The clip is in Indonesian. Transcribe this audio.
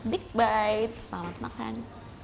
big bite selamat makan